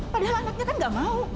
padahal anaknya kan gak mau